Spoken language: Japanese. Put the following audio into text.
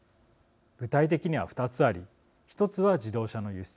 具体的には２つあり１つは自動車の輸出